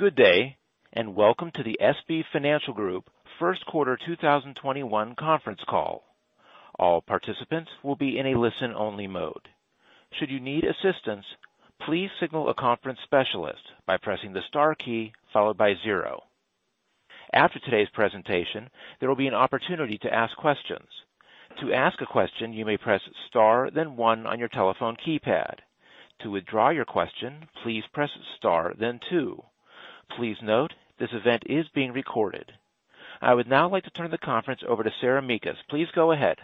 Good day. Welcome to the SB Financial Group first quarter 2021 conference call. All participants will be in a listen-only mode. Should you need assistance, please signal a conference specialist by pressing the star key followed by zero. After today's presentation, there will be an opportunity to ask questions. To ask a question, you may press star, then one on your telephone keypad. To withdraw your question, please press star, then two. Please note, this event is being recorded. I would now like to turn the conference over to Sarah Mekus. Please go ahead.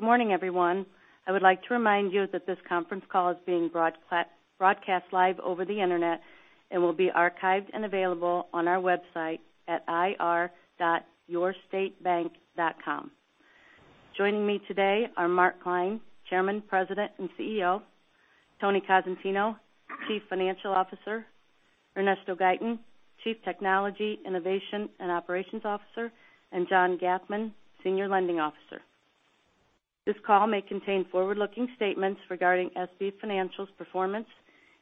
Morning, everyone. I would like to remind you that this conference call is being broadcast live over the internet and will be archived and available on our website at ir.yourstatebank.com. Joining me today are Mark Klein, Chairman, President, and CEO; Anthony Cosentino, Chief Financial Officer; Ernesto Gaytan, Chief Technology, Innovation, and Operations Officer; and John Gathman, Senior Lending Officer. This call may contain forward-looking statements regarding SB Financial's performance,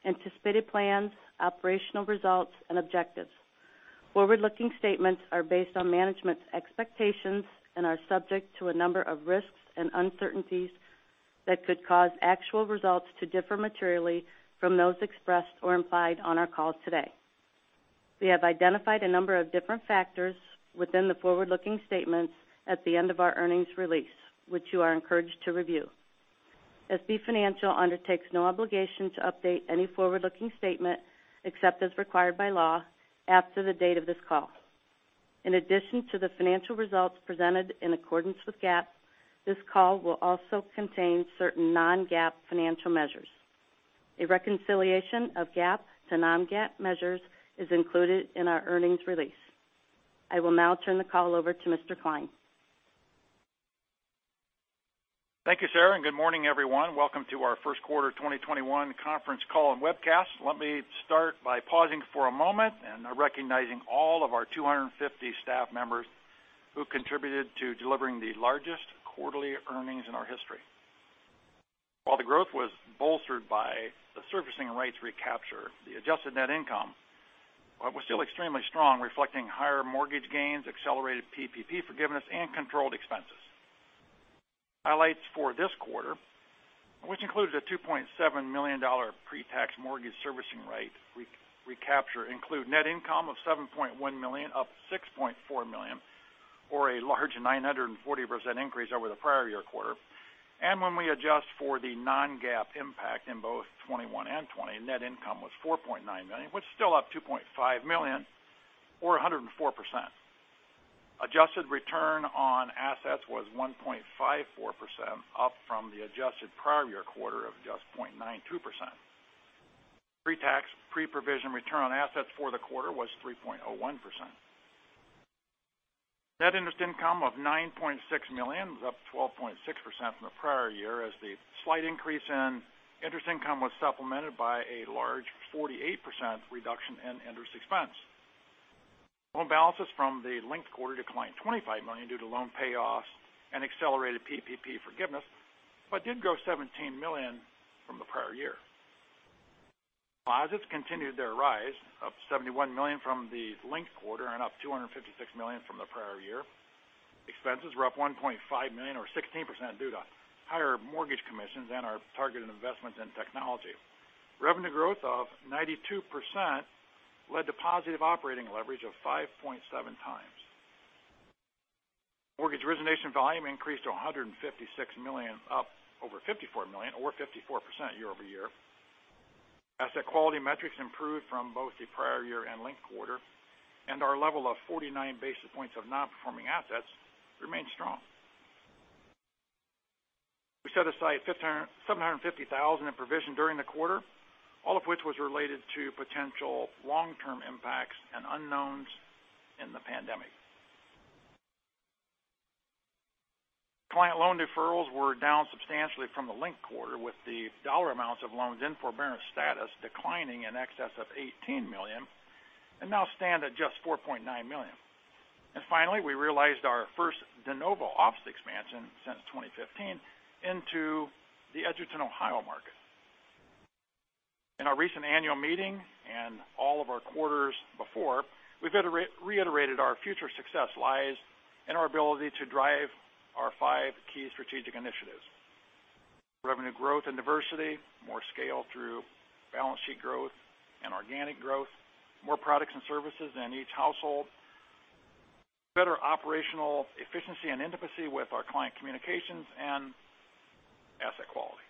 anticipated plans, operational results, and objectives. Forward-looking statements are based on management's expectations and are subject to a number of risks and uncertainties that could cause actual results to differ materially from those expressed or implied on our call today. We have identified a number of different factors within the forward-looking statements at the end of our earnings release, which you are encouraged to review. SB Financial undertakes no obligation to update any forward-looking statement, except as required by law, after the date of this call. In addition to the financial results presented in accordance with GAAP, this call will also contain certain non-GAAP financial measures. A reconciliation of GAAP to non-GAAP measures is included in our earnings release. I will now turn the call over to Mr. Klein. Thank you, Sarah. Good morning, everyone. Welcome to our first quarter 2021 conference call and webcast. Let me start by pausing for a moment and recognizing all of our 250 staff members who contributed to delivering the largest quarterly earnings in our history. While the growth was bolstered by the servicing rights recapture, the adjusted net income was still extremely strong, reflecting higher mortgage gains, accelerated PPP forgiveness, and controlled expenses. Highlights for this quarter, which includes a $2.7 million pre-tax mortgage servicing right recapture, include net income of $7.1 million, up $6.4 million, or a large 940% increase over the prior year quarter. When we adjust for the non-GAAP impact in both 2021 and 2020, net income was $4.9 million, which is still up $2.5 million, or 104%. Adjusted return on assets was 1.54%, up from the adjusted prior year quarter of just 0.92%. Pre-tax, pre-provision return on assets for the quarter was 3.01%. Net interest income of $9.6 million, up 12.6% from the prior year, as the slight increase in interest income was supplemented by a large 48% reduction in interest expense. Loan balances from the linked quarter declined $25 million due to loan payoffs and accelerated PPP forgiveness, but did grow $17 million from the prior year. Deposits continued their rise, up $71 million from the linked quarter and up $256 million from the prior year. Expenses were up $1.5 million or 16% due to higher mortgage commissions and our targeted investments in technology. Revenue growth of 92% led to positive operating leverage of 5.7 times. Mortgage origination volume increased to $156 million, up over $54 million or 54% year-over-year. Asset quality metrics improved from both the prior year and linked quarter, and our level of 49 basis points of non-performing assets remained strong. We set aside $750,000 in provision during the quarter, all of which was related to potential long-term impacts and unknowns in the pandemic. Client loan deferrals were down substantially from the linked quarter with the dollar amounts of loans in forbearance status declining in excess of $18 million and now stand at just $4.9 million. Finally, we realized our first de novo office expansion since 2015 into the Edgerton, Ohio market. In our recent annual meeting and all of our quarters before, we've reiterated our future success lies in our ability to drive our five key strategic initiatives. Revenue growth and diversity, more scale through balance sheet growth and organic growth, more products and services in each household, better operational efficiency and intimacy with our client communications, and asset quality.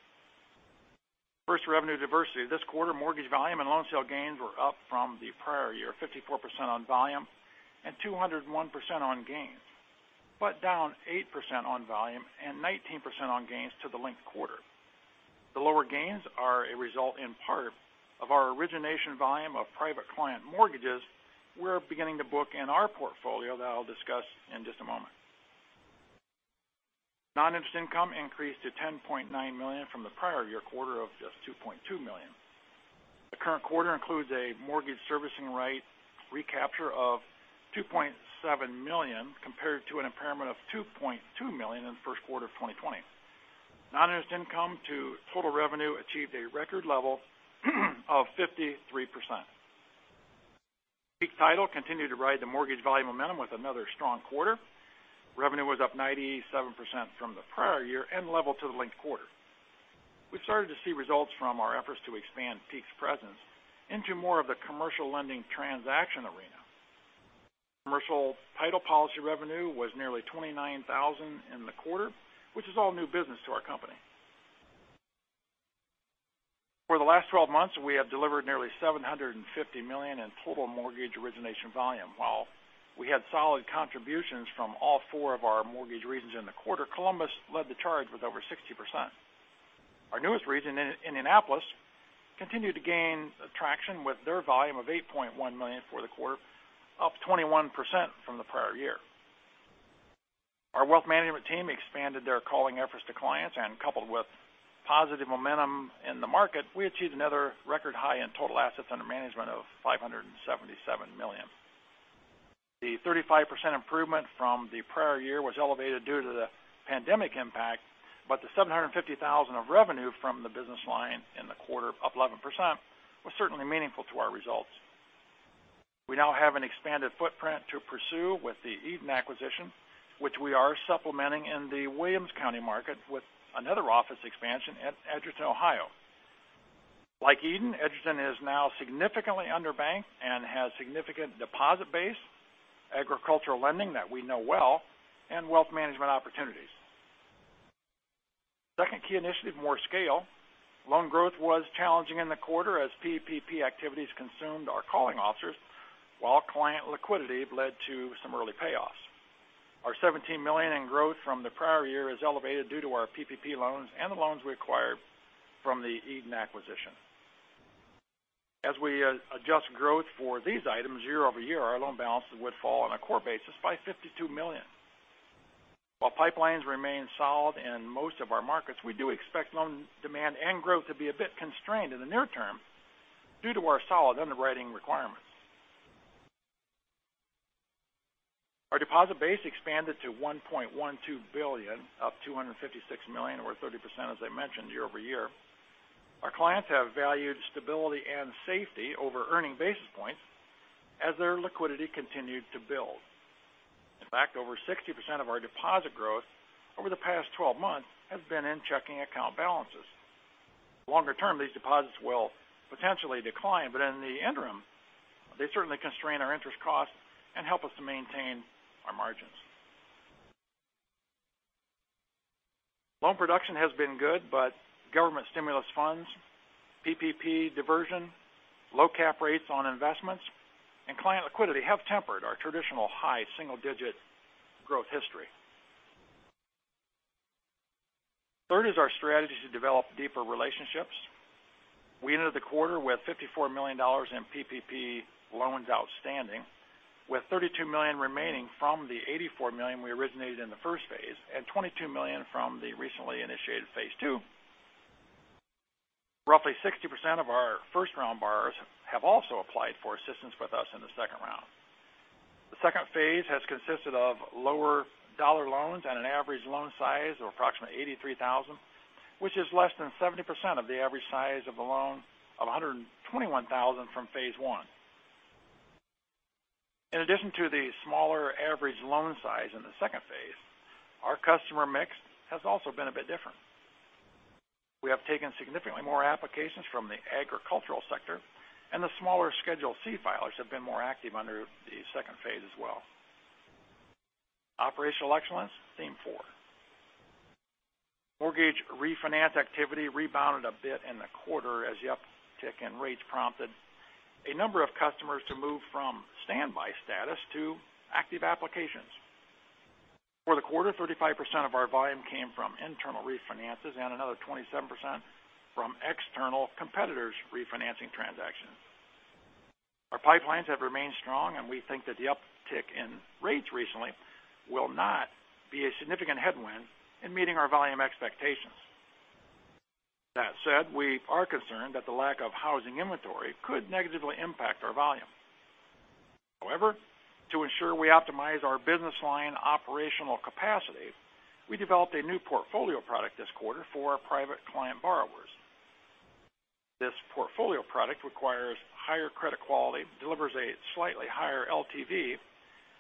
First, revenue diversity. This quarter, mortgage volume and loan sale gains were up from the prior year, 54% on volume and 201% on gains, but down 8% on volume and 19% on gains to the linked quarter. The lower gains are a result in part of our origination volume of private client mortgages we're beginning to book in our portfolio that I'll discuss in just a moment. Non-interest income increased to $10.9 million from the prior year quarter of just $2.2 million. The current quarter includes a mortgage servicing right recapture of $2.7 million compared to an impairment of $2.2 million in the first quarter of 2020. Non-interest income to total revenue achieved a record level of 53%. Peak Title continued to ride the mortgage volume momentum with another strong quarter. Revenue was up 97% from the prior year and level to the linked quarter. We started to see results from our efforts to expand Peak's presence into more of the commercial lending transaction arena. Commercial title policy revenue was nearly $29,000 in the quarter, which is all new business to our company. For the last 12 months, we have delivered nearly $750 million in total mortgage origination volume. While we had solid contributions from all four of our mortgage regions in the quarter, Columbus led the charge with over 60%. Our newest region in Indianapolis continued to gain traction with their volume of $8.1 million for the quarter, up 21% from the prior year. Our wealth management team expanded their calling efforts to clients, coupled with positive momentum in the market, we achieved another record high in total assets under management of $577 million. The 35% improvement from the prior year was elevated due to the pandemic impact, the $750,000 of revenue from the business line in the quarter, up 11%, was certainly meaningful to our results. We now have an expanded footprint to pursue with the Edon acquisition, which we are supplementing in the Williams County market with another office expansion at Edgerton, Ohio. Like Edon, Edgerton is now significantly underbanked and has significant deposit base, agricultural lending that we know well, and wealth management opportunities. Second key initiative, more scale. Loan growth was challenging in the quarter as PPP activities consumed our calling officers, while client liquidity led to some early payoffs. Our $17 million in growth from the prior year is elevated due to our PPP loans and the loans we acquired from the Edon acquisition. As we adjust growth for these items year-over-year, our loan balances would fall on a core basis by $52 million. While pipelines remain solid in most of our markets, we do expect loan demand and growth to be a bit constrained in the near term due to our solid underwriting requirements. Our deposit base expanded to $1.12 billion, up $256 million or 30%, as I mentioned, year-over-year. Our clients have valued stability and safety over earning basis points as their liquidity continued to build. In fact, over 60% of our deposit growth over the past 12 months has been in checking account balances. Longer term, these deposits will potentially decline, but in the interim, they certainly constrain our interest costs and help us to maintain our margins. Loan production has been good, but government stimulus funds, PPP diversion, low cap rates on investments, and client liquidity have tempered our traditional high single-digit growth history. Third is our strategy to develop deeper relationships. We ended the quarter with $54 million in PPP loans outstanding, with $32 million remaining from the $84 million we originated in the first phase, and $22 million from the recently initiated phase two. Roughly 60% of our first-round borrowers have also applied for assistance with us in the second round. The second phase has consisted of lower dollar loans and an average loan size of approximately $83,000, which is less than 70% of the average size of a loan of $121,000 from phase one. In addition to the smaller average loan size in the second phase, our customer mix has also been a bit different. We have taken significantly more applications from the agricultural sector, and the smaller Schedule C filers have been more active under the second phase as well. Operational excellence, theme four. Mortgage refinance activity rebounded a bit in the quarter as the uptick in rates prompted a number of customers to move from standby status to active applications. For the quarter, 35% of our volume came from internal refinances and another 27% from external competitors' refinancing transactions. Our pipelines have remained strong, and we think that the uptick in rates recently will not be a significant headwind in meeting our volume expectations. That said, we are concerned that the lack of housing inventory could negatively impact our volume. However, to ensure we optimize our business line operational capacity, we developed a new portfolio product this quarter for our private client borrowers. This portfolio product requires higher credit quality, delivers a slightly higher LTV,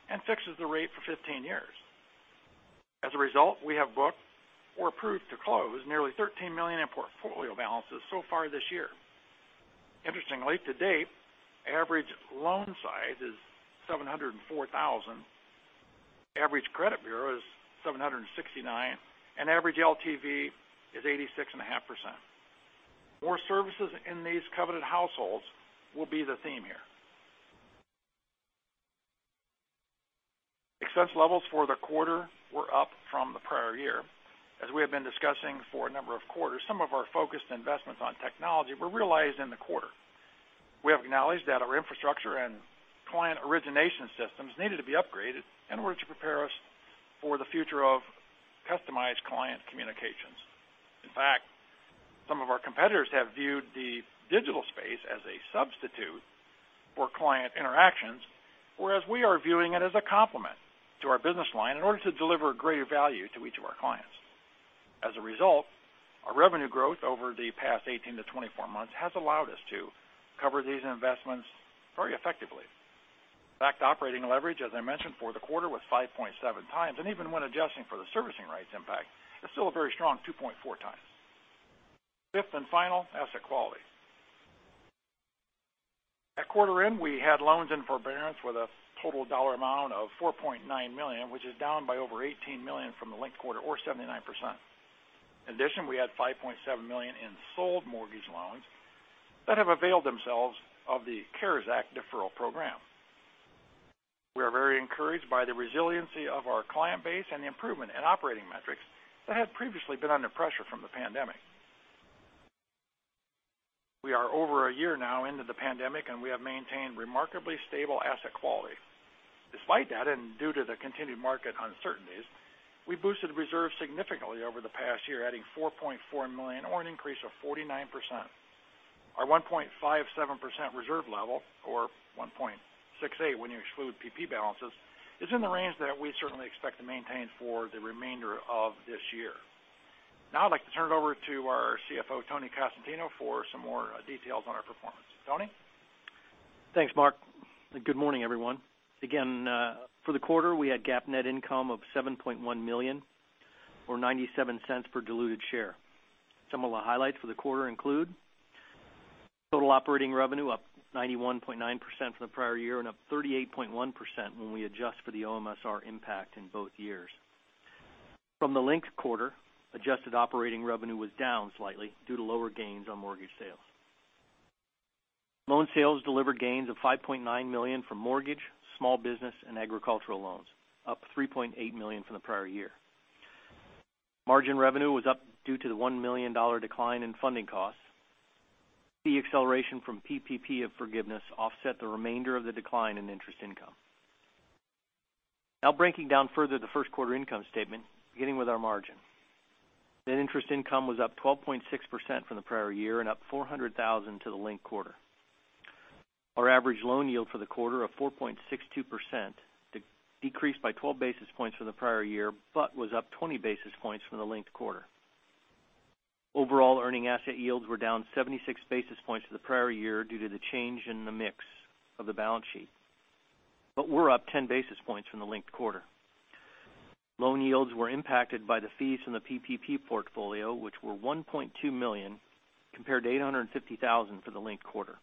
and fixes the rate for 15 years. As a result, we have booked or approved to close nearly $13 million in portfolio balances so far this year. Interestingly, to date, average loan size is $704,000, average credit bureau is 769, and average LTV is 86.5%. More services in these coveted households will be the theme here. Expense levels for the quarter were up from the prior year. As we have been discussing for a number of quarters, some of our focused investments on technology were realized in the quarter. We have acknowledged that our infrastructure and client origination systems needed to be upgraded in order to prepare us for the future of customized client communications. In fact, some of our competitors have viewed the digital space as a substitute for client interactions, whereas we are viewing it as a complement to our business line in order to deliver greater value to each of our clients. As a result, our revenue growth over the past 18 t24 months has allowed us to cover these investments very effectively. In fact, operating leverage, as I mentioned, for the quarter was 5.7 times, and even when adjusting for the servicing rights impact, it's still a very strong 2.4 times. Fifth and final, asset quality. At quarter end, we had loans in forbearance with a total dollar amount of $4.9 million, which is down by over $18 million from the linked quarter or 79%. In addition, we had $5.7 million in sold mortgage loans that have availed themselves of the CARES Act deferral program. We are very encouraged by the resiliency of our client base and the improvement in operating metrics that had previously been under pressure from the pandemic. We are over a year now into the pandemic, and we have maintained remarkably stable asset quality. Despite that, and due to the continued market uncertainties, we boosted reserves significantly over the past year, adding $4.4 million or an increase of 49%. Our 1.57% reserve level, or 1.68% when you exclude P balances, is in the range that we certainly expect to maintain for the remainder of this year. I'd like to turn it over to our CFO, Tony Cosentino, for some more details on our performance. Tony? Thanks, Mark. Good morning, everyone. Again, for the quarter, we had GAAP net income of $7.1 million or $0.97 per diluted share. Some of the highlights for the quarter include total operating revenue up 91.9% from the prior year and up 38.1% when we adjust for the OMSR impact in both years. From the linked quarter, adjusted operating revenue was down slightly due to lower gains on mortgage sales. Loan sales delivered gains of $5.9 million from mortgage, small business, and agricultural loans, up $3.8 million from the prior year. Margin revenue was up due to the $1 million decline in funding costs. Fee acceleration from PPP of forgiveness offset the remainder of the decline in interest income. Now breaking down further the first quarter income statement, beginning with our margin. Net interest income was up 12.6% from the prior year and up $400,000 to the linked quarter. Our average loan yield for the quarter of 4.62%, decreased by 12 basis points from the prior year, but was up 20 basis points from the linked quarter. Overall earning asset yields were down 76 basis points to the prior year due to the change in the mix of the balance sheet, but were up 10 basis points from the linked quarter. Loan yields were impacted by the fees from the PPP portfolio, which were $1.2 million, compared to $850,000 for the linked quarter.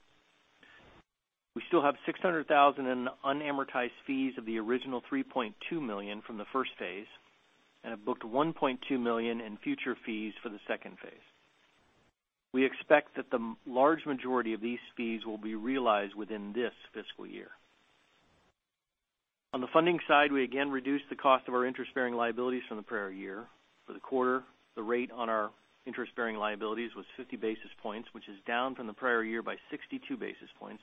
We still have $600,000 in unamortized fees of the original $3.2 million from the first phase and have booked $1.2 million in future fees for the second phase. We expect that the large majority of these fees will be realized within this fiscal year. On the funding side, we again reduced the cost of our interest-bearing liabilities from the prior year. For the quarter, the rate on our interest-bearing liabilities was 50 basis points, which is down from the prior year by 62 basis points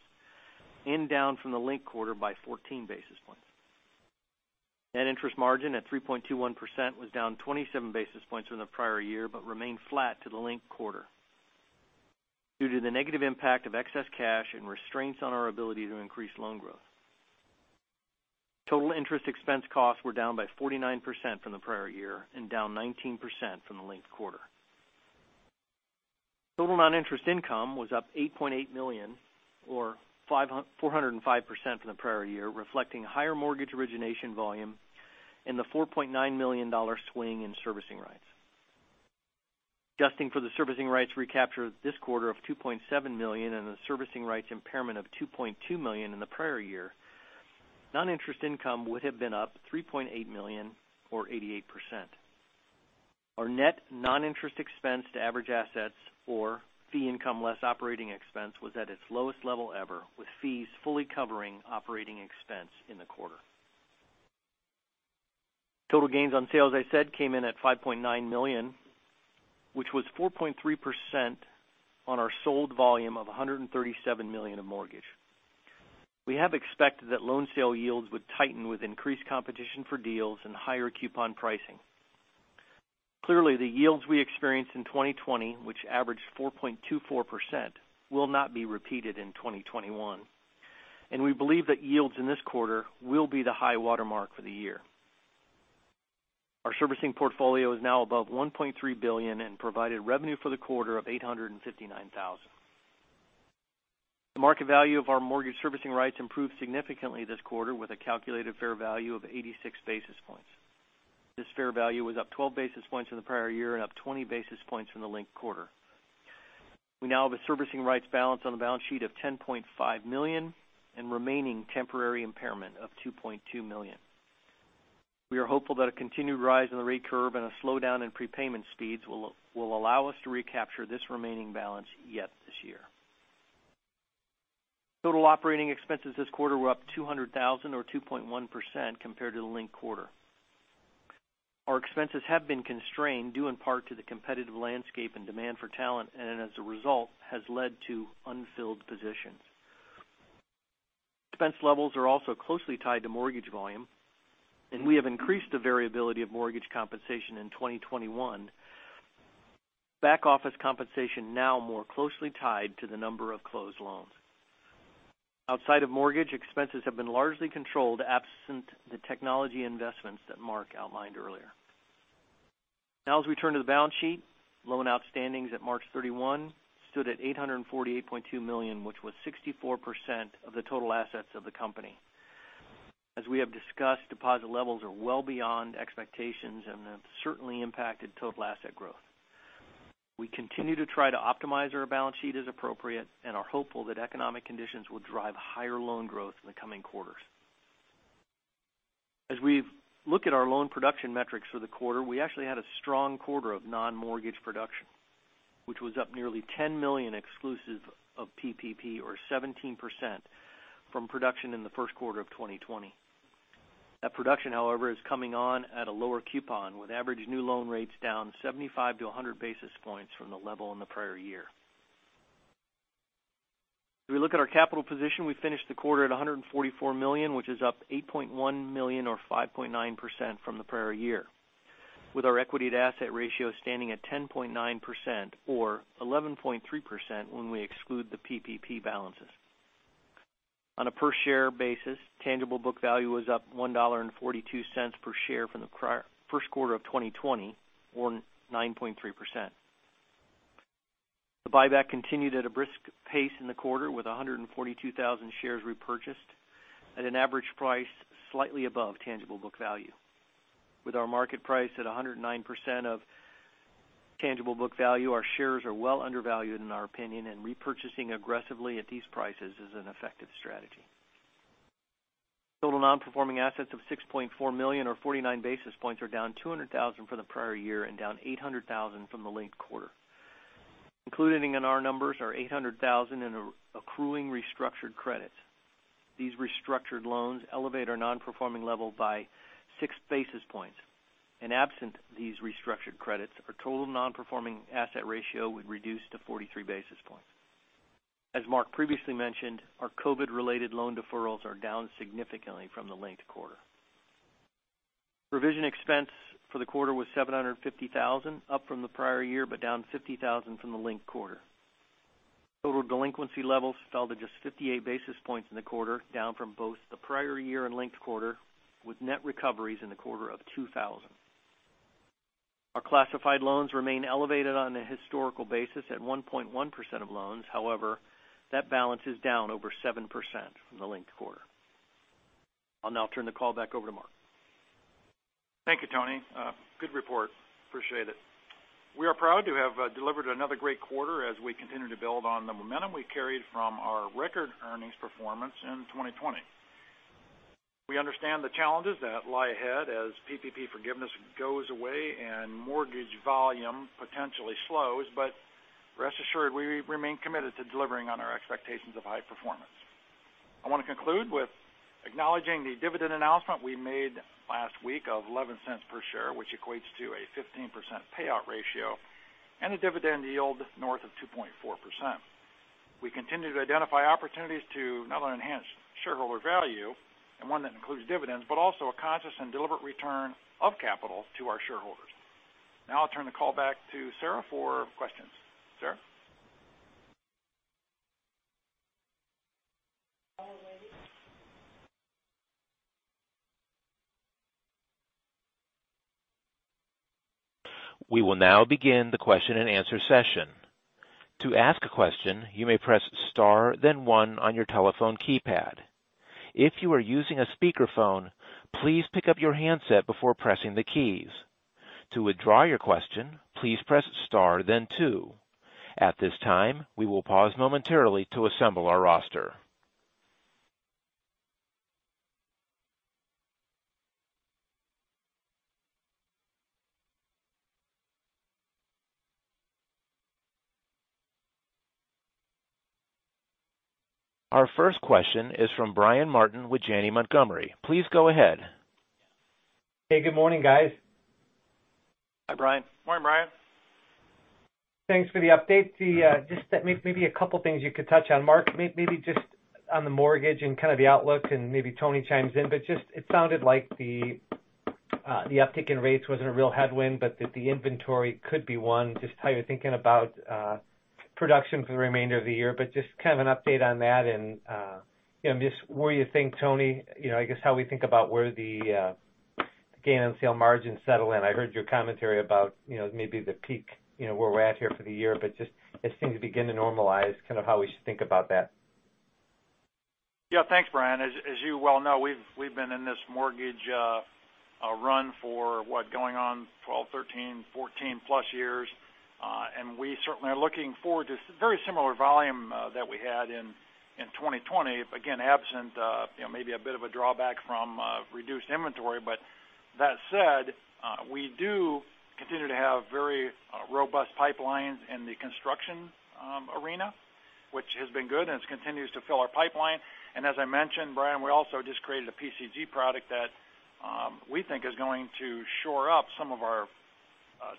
and down from the linked quarter by 14 basis points. Net interest margin at 3.21% was down 27 basis points from the prior year, but remained flat to the linked quarter due to the negative impact of excess cash and restraints on our ability to increase loan growth. Total interest expense costs were down by 49% from the prior year and down 19% from the linked quarter. Total non-interest income was up $8.8 million or 405% from the prior year, reflecting higher mortgage origination volume and the $4.9 million swing in servicing rights. Adjusting for the servicing rights recapture this quarter of $2.7 million and the servicing rights impairment of $2.2 million in the prior year, non-interest income would have been up $3.8 million or 88%. Our net non-interest expense to average assets or fee income less operating expense was at its lowest level ever, with fees fully covering operating expense in the quarter. Total gains on sales, I said, came in at $5.9 million, which was 4.3% on our sold volume of $137 million of mortgage. We have expected that loan sale yields would tighten with increased competition for deals and higher coupon pricing. Clearly, the yields we experienced in 2020, which averaged 4.24%, will not be repeated in 2021, and we believe that yields in this quarter will be the high water mark for the year. Our servicing portfolio is now above $1.3 billion and provided revenue for the quarter of $859,000. The market value of our mortgage servicing rights improved significantly this quarter with a calculated fair value of 86 basis points. This fair value was up 12 basis points from the prior year and up 20 basis points from the linked quarter. We now have a servicing rights balance on the balance sheet of $10.5 million and remaining temporary impairment of $2.2 million. We are hopeful that a continued rise in the rate curve and a slowdown in prepayment speeds will allow us to recapture this remaining balance yet this year. Total operating expenses this quarter were up $200,000 or 2.1% compared to the linked quarter. Our expenses have been constrained due in part to the competitive landscape and demand for talent, as a result, has led to unfilled positions. Expense levels are also closely tied to mortgage volume. We have increased the variability of mortgage compensation in 2021. Back-office compensation now more closely tied to the number of closed loans. Outside of mortgage, expenses have been largely controlled absent the technology investments that Mark outlined earlier. Now as we turn to the balance sheet, loan outstandings at March 31 stood at $848.2 million, which was 64% of the total assets of the company. As we have discussed, deposit levels are well beyond expectations and have certainly impacted total asset growth. We continue to try to optimize our balance sheet as appropriate and are hopeful that economic conditions will drive higher loan growth in the coming quarters. As we look at our loan production metrics for the quarter, we actually had a strong quarter of non-mortgage production, which was up nearly $10 million exclusive of PPP or 17% from production in the first quarter of 2020. That production, however, is coming on at a lower coupon with average new loan rates down 75 to 100 basis points from the level in the prior year. If we look at our capital position, we finished the quarter at $144 million, which is up $8.1 million or 5.9% from the prior year, with our equity to asset ratio standing at 10.9% or 11.3% when we exclude the PPP balances. On a per share basis, tangible book value was up $1.42 per share from the first quarter of 2020 or 9.3%. The buyback continued at a brisk pace in the quarter with 142,000 shares repurchased at an average price slightly above tangible book value. With our market price at 109% of tangible book value, our shares are well undervalued in our opinion and repurchasing aggressively at these prices is an effective strategy. Total non-performing assets of $6.4 million or 49 basis points are down $200,000 for the prior year and down $800,000 from the linked quarter. Included in our numbers are $800,000 in accruing restructured credits. These restructured loans elevate our non-performing level by six basis points. Absent these restructured credits, our total non-performing asset ratio would reduce to 43 basis points. As Mark previously mentioned, our COVID-related loan deferrals are down significantly from the linked quarter. Provision expense for the quarter was $750,000 up from the prior year, down $50,000 from the linked quarter. Total delinquency levels fell to just 58 basis points in the quarter, down from both the prior year and linked quarter, with net recoveries in the quarter of $2,000. Our classified loans remain elevated on a historical basis at 1.1% of loans. However, that balance is down over 7% from the linked quarter. I'll now turn the call back over to Mark. Thank you, Tony. Good report. Appreciate it. We are proud to have delivered another great quarter as we continue to build on the momentum we carried from our record earnings performance in 2020. We understand the challenges that lie ahead as PPP forgiveness goes away and mortgage volume potentially slows, but rest assured, we remain committed to delivering on our expectations of high performance. I want to conclude with acknowledging the dividend announcement we made last week of $0.11 per share, which equates to a 15% payout ratio and a dividend yield north of 2.4%. We continue to identify opportunities to not only enhance shareholder value, and one that includes dividends, but also a conscious and deliberate return of capital to our shareholders. Now I'll turn the call back to Sarah for questions. Sarah? We will now begin the question and answer session. To ask a question, you may press star then one on your telephone keypad. If you are using a speakerphone, please pick up your handset before pressing the keys. To withdraw your question, please press star then two. At this time, we will pause momentarily to assemble our roster. Our first question is from Brian Martin with Janney Montgomery. Please go ahead. Hey, good morning, guys. Hi, Brian. Morning, Brian. Thanks for the update. Just maybe a couple of things you could touch on. Mark, maybe just on the mortgage and kind of the outlook and maybe Tony chimes in, but just it sounded like the uptick in rates wasn't a real headwind, but that the inventory could be one, just how you're thinking about production for the remainder of the year. Just kind of an update on that and just where you think, Tony, I guess how we think about where the gain on sale margins settle in. I heard your commentary about maybe the peak, where we're at here for the year, but just as things begin to normalize, kind of how we should think about that. Yeah. Thanks, Brian. As you well know, we've been in this mortgage run for what? Going on 12, 13, 14 plus years. We certainly are looking forward to very similar volume that we had in 2020. Again, absent maybe a bit of a drawback from reduced inventory. That said, we do continue to have very robust pipelines in the construction arena, which has been good, and it continues to fill our pipeline. As I mentioned, Brian, we also just created a PCG product that we think is going to shore up some of our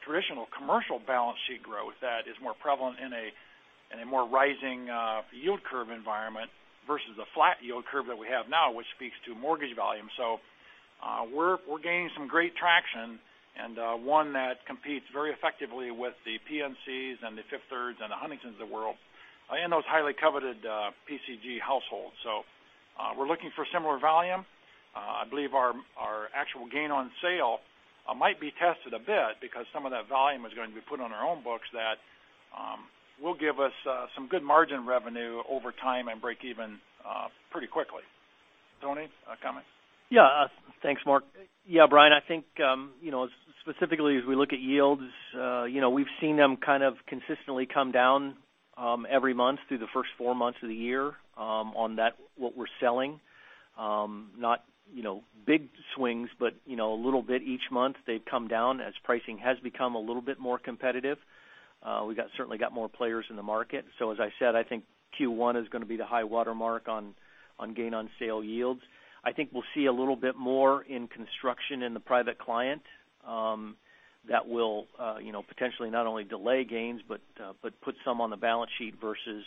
traditional commercial balance sheet growth that is more prevalent in a more rising yield curve environment versus the flat yield curve that we have now, which speaks to mortgage volume. We're gaining some great traction, and one that competes very effectively with the PNC and the Fifth Third and the Huntington of the world in those highly coveted PCG households. We're looking for similar volume. I believe our actual gain on sale might be tested a bit because some of that volume is going to be put on our own books that will give us some good margin revenue over time and break even pretty quickly. Tony, a comment? Thanks, Mark. Brian, I think, specifically as we look at yields, we've seen them kind of consistently come down every month through the first four months of the year on that what we're selling. Not big swings, a little bit each month. They've come down as pricing has become a little bit more competitive. We've certainly got more players in the market. As I said, I think Q1 is going to be the high water mark on gain on sale yields. I think we'll see a little bit more in construction in the private client that will potentially not only delay gains, put some on the balance sheet versus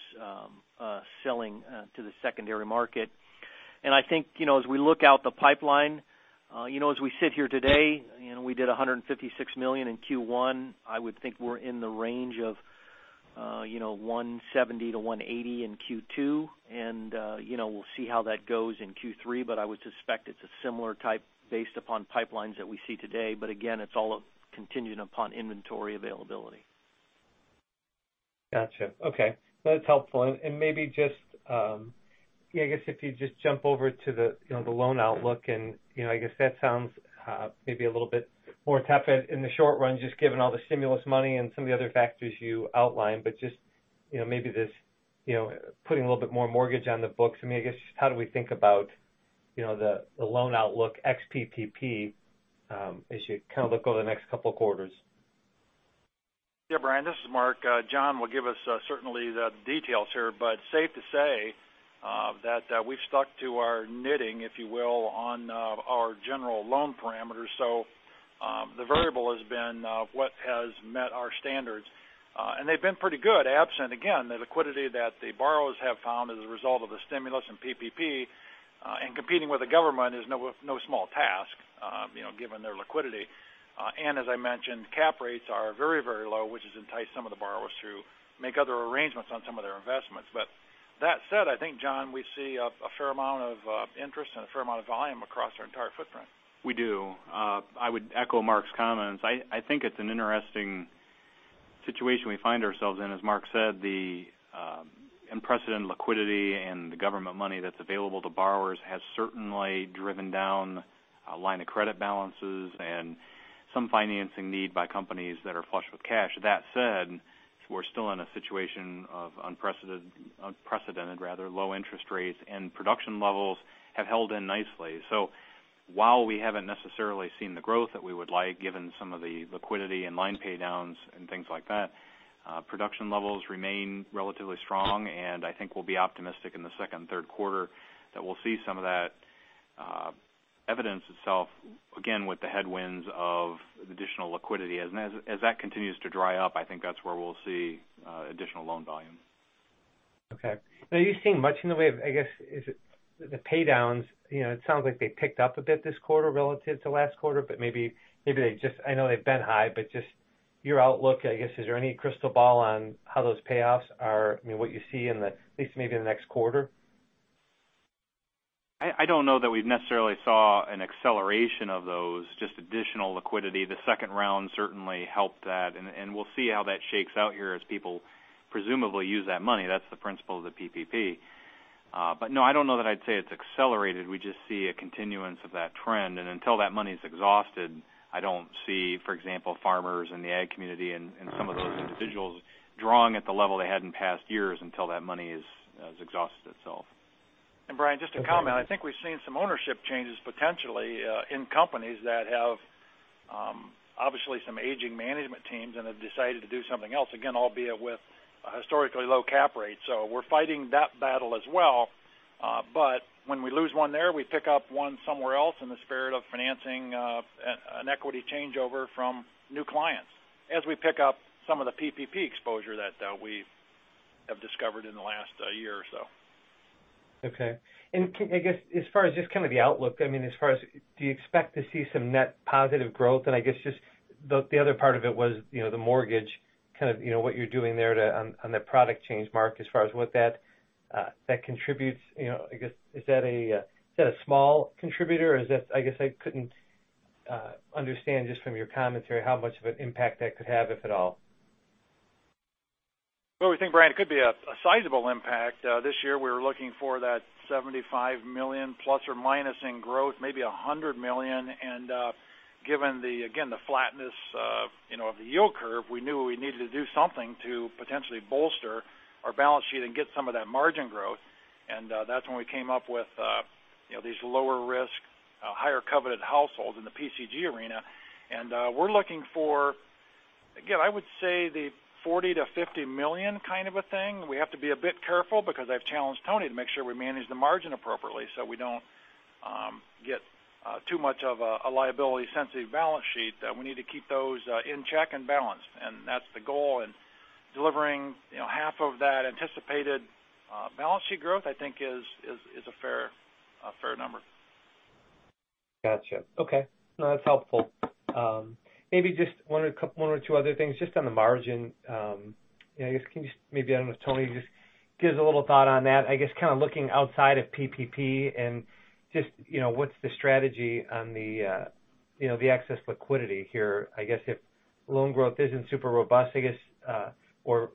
selling to the secondary market. I think, as we look out the pipeline, as we sit here today, we did $156 million in Q1. I would think we're in the range of 170 to 180 in Q2. We'll see how that goes in Q3, but I would suspect it's a similar type based upon pipelines that we see today. Again, it's all contingent upon inventory availability. Got you. Okay. That's helpful. Maybe just, I guess if you just jump over to the loan outlook and I guess that sounds maybe a little bit more tepid in the short run, just given all the stimulus money and some of the other factors you outlined, but just maybe this putting a little bit more mortgage on the books. I guess, just how do we think about the loan outlook ex PPP as you kind of look over the next couple of quarters? Yeah, Brian, this is Mark. John will give us certainly the details here, but safe to say that we've stuck to our knitting, if you will, on our general loan parameters. They've been pretty good, absent, again, the liquidity that the borrowers have found as a result of the stimulus and PPP, and competing with the government is no small task given their liquidity. As I mentioned, cap rates are very, very low, which has enticed some of the borrowers to make other arrangements on some of their investments. That said, I think, John, we see a fair amount of interest and a fair amount of volume across our entire footprint. We do. I would echo Mark's comments. I think it's an interesting situation we find ourselves in. As Mark said, the unprecedented liquidity and the government money that's available to borrowers has certainly driven down line of credit balances and some financing need by companies that are flush with cash. That said, we're still in a situation of unprecedented low interest rates. Production levels have held in nicely. While we haven't necessarily seen the growth that we would like given some of the liquidity and line pay downs and things like that, production levels remain relatively strong, and I think we'll be optimistic in the second and third quarter that we'll see some of that evidence itself, again, with the headwinds of additional liquidity. As that continues to dry up, I think that's where we'll see additional loan volume. Okay. Are you seeing much in the way of, I guess, the pay downs? It sounds like they picked up a bit this quarter relative to last quarter. I know they've been high, but just your outlook, I guess, is there any crystal ball on how those payoffs are, what you see in at least maybe in the next quarter? I don't know that we've necessarily saw an acceleration of those, just additional liquidity. The second round certainly helped that, and we'll see how that shakes out here as people presumably use that money. That's the principle of the PPP. No, I don't know that I'd say it's accelerated. We just see a continuance of that trend. Until that money's exhausted, I don't see, for example, farmers and the ag community and some of those individuals drawing at the level they had in past years until that money has exhausted itself. Brian, just a comment. I think we've seen some ownership changes potentially in companies that have obviously some aging management teams and have decided to do something else, again, albeit with a historically low cap rate. We're fighting that battle as well. When we lose one there, we pick up one somewhere else in the spirit of financing an equity changeover from new clients as we pick up some of the PPP exposure that we have discovered in the last year or so. Okay. I guess as far as just kind of the outlook, as far as do you expect to see some net positive growth? I guess just the other part of it was the mortgage kind of what you're doing there on the product change, Mark, as far as what that contributes. I guess, is that a small contributor, or I guess I couldn't understand just from your commentary how much of an impact that could have, if at all. Well, we think, Brian, it could be a sizable impact. This year, we were looking for that $75 million ± in growth, maybe $100 million, given the, again, the flatness of the yield curve, we knew we needed to do something to potentially bolster our balance sheet and get some of that margin growth. That's when we came up with these lower risk, higher coveted households in the PCG arena. We're looking for, again, I would say the $40 million-$50 million kind of a thing. We have to be a bit careful because I've challenged Tony to make sure we manage the margin appropriately so we don't get too much of a liability sensitive balance sheet that we need to keep those in check and balance. That's the goal in delivering half of that anticipated balance sheet growth, I think is a fair number. Got you. Okay. No, that's helpful. Maybe just one or two other things just on the margin. Can you just Maybe, I don't know, if Tony can just give us a little thought on that. Kind of looking outside of PPP and just what's the strategy on the excess liquidity here. If loan growth isn't super robust, or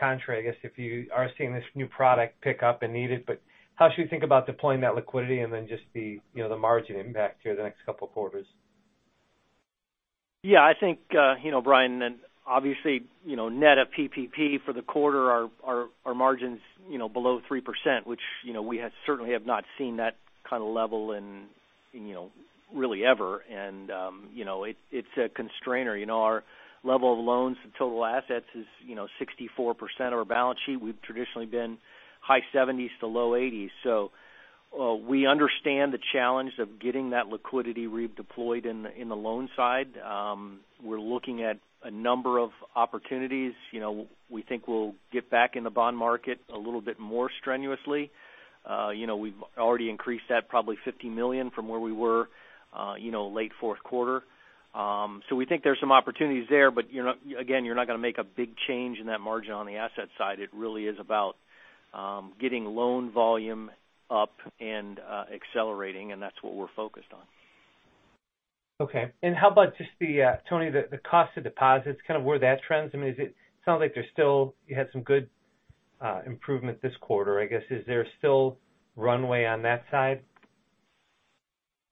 contrary, if you are seeing this new product pick up and need it, but how should we think about deploying that liquidity and then just the margin impact here the next couple of quarters? Yeah, I think, Brian, obviously, net of PPP for the quarter, our margin's below 3%, which we certainly have not seen that kind of level in really ever. It's a constraint. Our level of loans to total assets is 64% of our balance sheet. We've traditionally been high 70s to low 80s. We understand the challenge of getting that liquidity redeployed in the loan side. We're looking at a number of opportunities. We think we'll get back in the bond market a little bit more strenuously. We've already increased that probably $50 million from where we were late fourth quarter. We think there's some opportunities there. Again, you're not going to make a big change in that margin on the asset side. It really is about getting loan volume up and accelerating, and that's what we're focused on. Okay. How about just the, Tony, the cost of deposits, kind of where that trends? It sounds like you had some good improvement this quarter, I guess. Is there still runway on that side?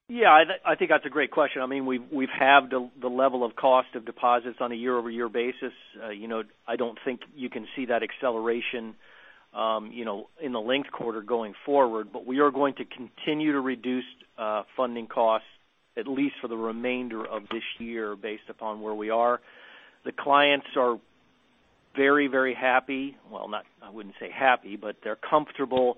Yeah, I think that's a great question. We've halved the level of cost of deposits on a year-over-year basis. I don't think you can see that acceleration in the linked quarter going forward. We are going to continue to reduce funding costs at least for the remainder of this year based upon where we are. The clients are very happy. Well, I wouldn't say happy, but they're comfortable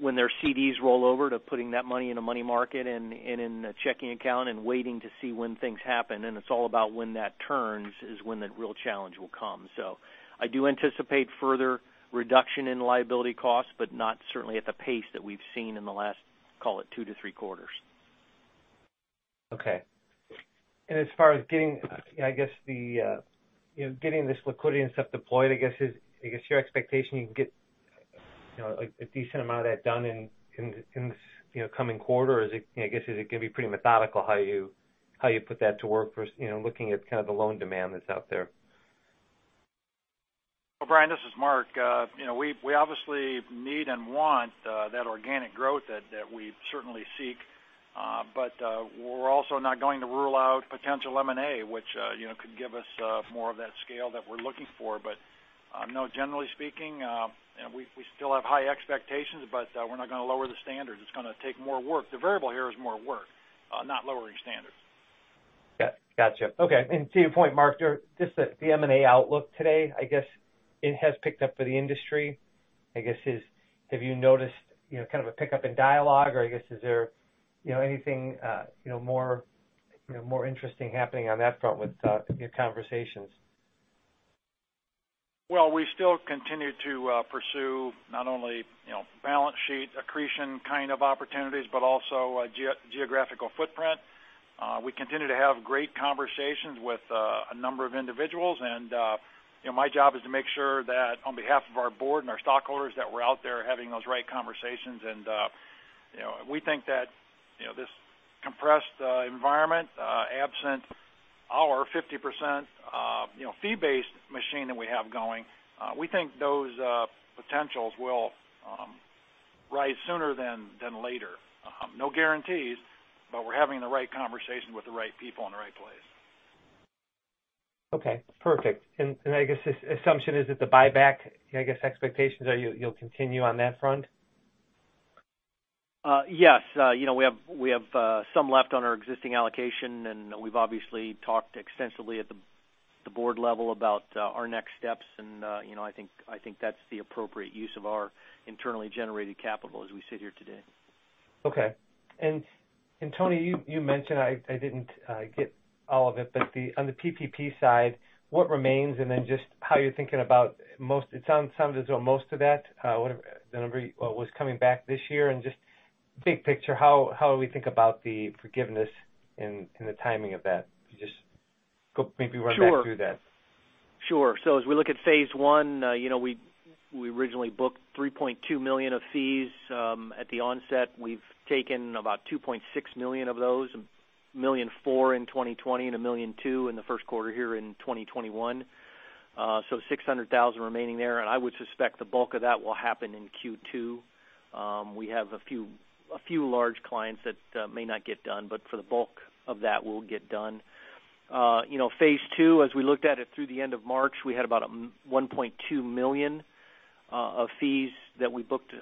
when their CDs roll over to putting that money in a money market and in a checking account and waiting to see when things happen. It's all about when that turns is when the real challenge will come. I do anticipate further reduction in liability costs, but not certainly at the pace that we've seen in the last, call it two to three quarters. Okay. As far as getting this liquidity and stuff deployed, I guess is your expectation you can get a decent amount of that done in this coming quarter? Or is it going to be pretty methodical how you put that to work for looking at kind of the loan demand that's out there? Well, Brian, this is Mark. We obviously need and want that organic growth that we certainly seek. We're also not going to rule out potential M&A, which could give us more of that scale that we're looking for. No, generally speaking, we still have high expectations, but we're not going to lower the standards. It's going to take more work. The variable here is more work, not lowering standards. Got you. Okay. To your point, Mark, just the M&A outlook today, I guess it has picked up for the industry. I guess, have you noticed kind of a pickup in dialogue, or I guess, is there anything more interesting happening on that front with your conversations? We still continue to pursue not only balance sheet accretion kind of opportunities, but also geographical footprint. We continue to have great conversations with a number of individuals. My job is to make sure that on behalf of our board and our stockholders, that we're out there having those right conversations. We think that this compressed environment, absent our 50% fee-based machine that we have going, we think those potentials will rise sooner than later. No guarantees, but we're having the right conversations with the right people in the right place. Okay, perfect. I guess this assumption is that the buyback expectations are you'll continue on that front? Yes. We have some left on our existing allocation, and we've obviously talked extensively at the board level about our next steps, and I think that's the appropriate use of our internally generated capital as we sit here today. Okay. Tony, you mentioned, I didn't get all of it, but on the PPP side, what remains? Just how you're thinking about, it sounds as though most of that, the number was coming back this year, and just big picture, how do we think about the forgiveness and the timing of that? Just maybe run back through that. Sure. As we look at Phase 1, we originally booked $3.2 million of fees at the onset. We've taken about $2.6 million of those, $1.4 million in 2020 and $1.2 million in the first quarter here in 2021. $600,000 remaining there, and I would suspect the bulk of that will happen in Q2. We have a few large clients that may not get done, but for the bulk of that will get done. Phase 2, as we looked at it through the end of March, we had about $1.2 million of fees that we booked.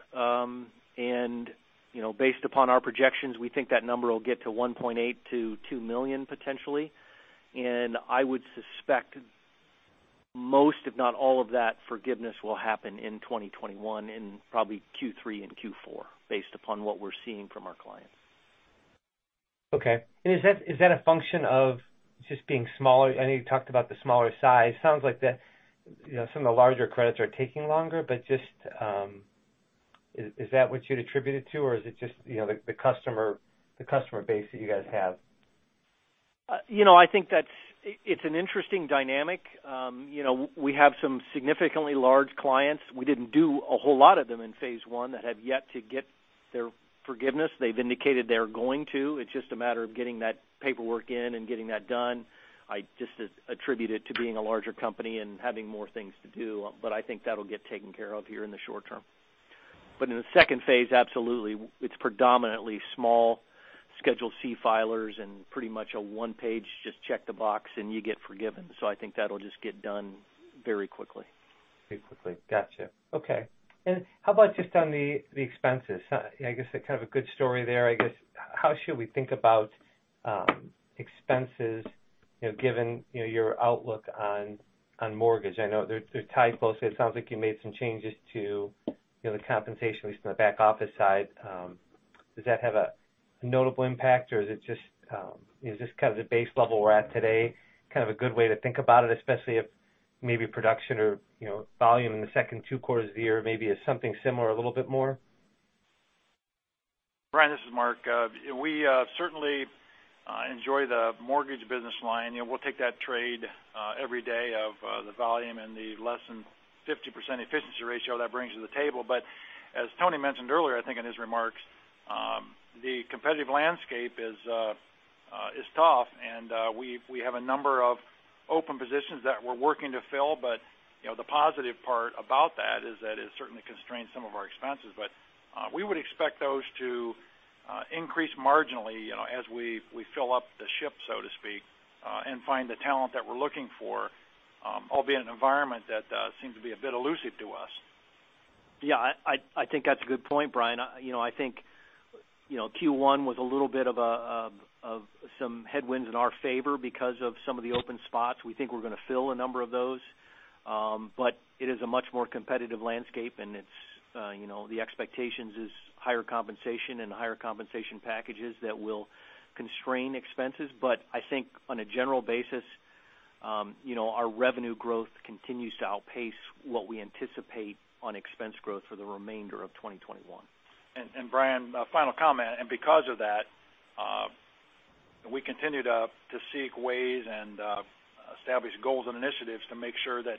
Based upon our projections, we think that number will get to $1.8 million-$2 million potentially. I would suspect most, if not all of that forgiveness will happen in 2021, in probably Q3 and Q4, based upon what we're seeing from our clients. Okay. Is that a function of just being smaller? I know you talked about the smaller size. Sounds like some of the larger credits are taking longer, but is that what you'd attribute it to? Is it just the customer base that you guys have? I think that it's an interesting dynamic. We have some significantly large clients. We didn't do a whole lot of them in phase 1 that have yet to get their forgiveness. They've indicated they're going to, it's just a matter of getting that paperwork in and getting that done. I just attribute it to being a larger company and having more things to do, I think that'll get taken care of here in the short term. In the phase 2, absolutely. It's predominantly small Schedule C filers and pretty much a one-page, just check the box and you get forgiven. I think that'll just get done very quickly. Very quickly. Got you. Okay. How about just on the expenses? I guess they're kind of a good story there, I guess. How should we think about expenses given your outlook on mortgage? I know they're tied closely. It sounds like you made some changes to the compensation recently back office side. Does that have a notable impact or is this kind of the base level we're at today kind of a good way to think about it? Especially if maybe production or volume in the second two quarters of the year maybe is something similar, a little bit more. Brian, this is Mark. We certainly enjoy the mortgage business line. We'll take that trade every day of the volume and the less than 50% efficiency ratio that brings to the table. As Tony mentioned earlier, I think in his remarks, the competitive landscape is tough and we have a number of open positions that we're working to fill. The positive part about that is that it certainly constrains some of our expenses. We would expect those to increase marginally as we fill up the ship, so to speak, and find the talent that we're looking for, albeit an environment that seems to be a bit elusive to us. Yeah, I think that's a good point, Brian. I think Q1 was a little bit of some headwinds in our favor because of some of the open spots. We think we're going to fill a number of those. It is a much more competitive landscape, and the expectation is higher compensation and higher compensation packages that will constrain expenses. I think on a general basis, our revenue growth continues to outpace what we anticipate on expense growth for the remainder of 2021. Brian, a final comment. Because of that, we continue to seek ways and establish goals and initiatives to make sure that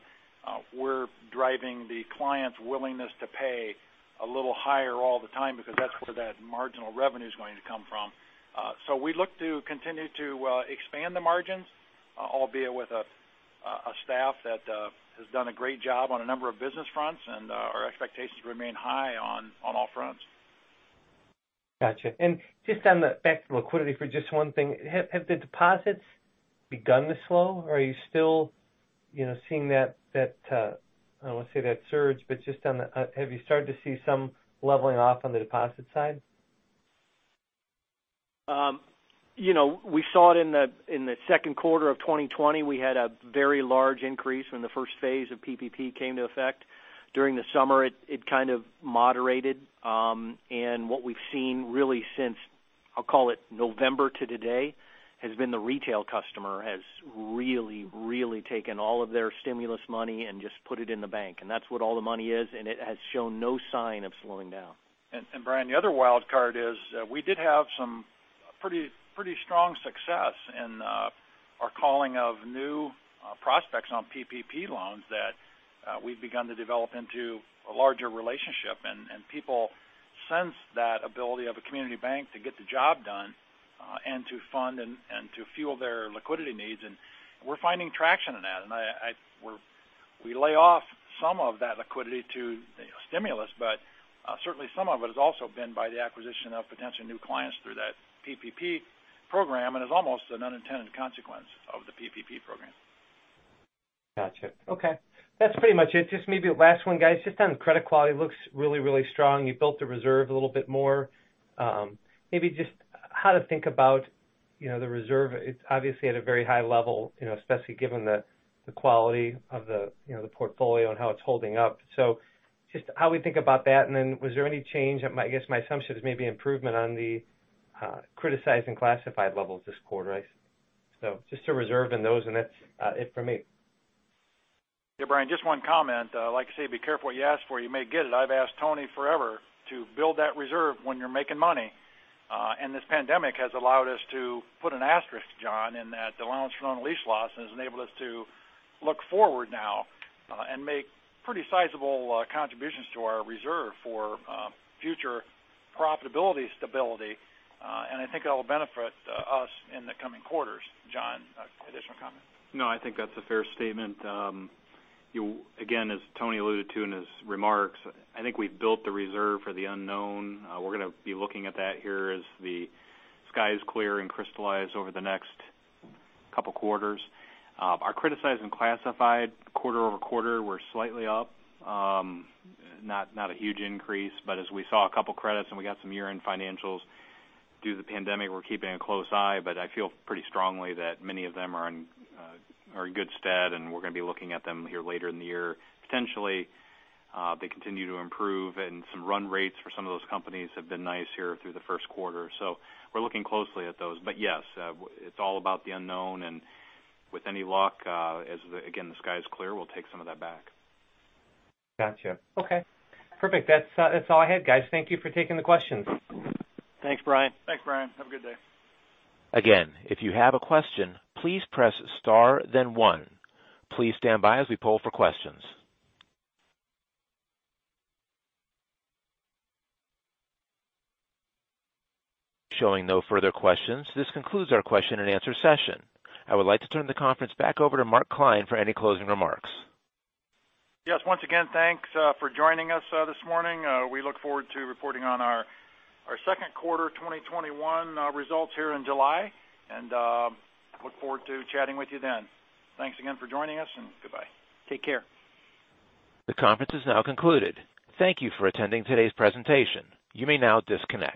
we're driving the client's willingness to pay a little higher all the time because that's where that marginal revenue's going to come from. We look to continue to expand the margins, albeit with a staff that has done a great job on a number of business fronts, and our expectations remain high on all fronts. Got you. Just on the back to liquidity for just one thing, have the deposits begun to slow? Are you still seeing that, I don't want to say that surge, but have you started to see some leveling off on the deposit side? We saw it in the second quarter of 2020. We had a very large increase when the first phase of PPP came to effect. During the summer, it kind of moderated. What we've seen really since, I'll call it November to today, has been the retail customer has really, really taken all of their stimulus money and just put it in the bank. That's what all the money is, and it has shown no sign of slowing down. Brian, the other wild card is we did have some pretty strong success in our calling of new prospects on PPP loans that we've begun to develop into a larger relationship. People sense that ability of a community bank to get the job done and to fund and to fuel their liquidity needs, and we're finding traction in that. We lay off some of that liquidity to stimulus, but certainly some of it has also been by the acquisition of potential new clients through that PPP program, and is almost an unintended consequence of the PPP program. Got you. Okay. That's pretty much it. Just maybe a last one, guys. Just on credit quality, looks really, really strong. You built the reserve a little bit more. Maybe just how to think about the reserve. It's obviously at a very high level, especially given the quality of the portfolio and how it's holding up. Just how we think about that, and then was there any change, I guess my assumption is maybe improvement on the criticized and classified levels this quarter. Just the reserve and those, and that's it for me. Yeah, Brian, just one comment. Like I say, be careful what you ask for. You may get it. I've asked Tony forever to build that reserve when you're making money. This pandemic has allowed us to put an asterisk, John, in that the loans from lease loss has enabled us to look forward now and make pretty sizable contributions to our reserve for future profitability stability. I think that'll benefit us in the coming quarters. John, additional comment. No, I think that's a fair statement. As Tony alluded to in his remarks, I think we've built the reserve for the unknown. We're going to be looking at that here as the skies clear and crystallize over the next couple of quarters. Our criticized and classified quarter-over-quarter were slightly up. Not a huge increase, but as we saw a couple credits and we got some year-end financials due to the pandemic, we're keeping a close eye. I feel pretty strongly that many of them are in good stead, and we're going to be looking at them here later in the year. Potentially, they continue to improve, and some run rates for some of those companies have been nice here through the first quarter. We're looking closely at those. Yes, it's all about the unknown, and with any luck, as again, the skies clear, we'll take some of that back. Got you. Okay. Perfect. That's all I had, guys. Thank you for taking the questions. Thanks, Brian. Thanks, Brian. Have a good day. Again, if you have a question, please press star then one. Please stand by as we poll for questions. Showing no further questions. This concludes our question and answer session. I would like to turn the conference back over to Mark Klein for any closing remarks. Yes. Once again, thanks for joining us this morning. We look forward to reporting on our second quarter 2021 results here in July, and look forward to chatting with you then. Thanks again for joining us, and goodbye. Take care. The conference is now concluded. Thank you for attending today's presentation. You may now disconnect.